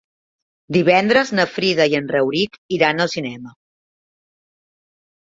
Divendres na Frida i en Rauric iran al cinema.